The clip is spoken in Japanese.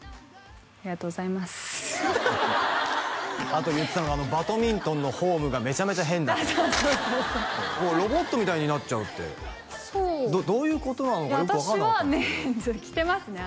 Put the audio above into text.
あと言ってたのが「バドミントンのフォームがめちゃめちゃ変だ」とそうそうそうそうロボットみたいになっちゃうってどういうことなのかよく分かんなかったんですけど着てますね